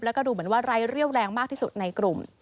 แล้วก็ดูเหมือนว่าไร้เรี่ยวแรงมากที่สุดในกลุ่ม